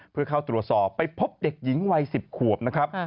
เพื่อเข้าตรวจสอบไปพบเด็กหญิงวัย๑๐ขวบนะครับ